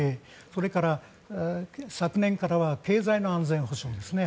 それから昨年からは経済の安全保障ですね。